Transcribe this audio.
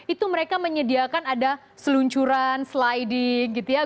itu mereka menyediakan ada seluncuran sliding gitu ya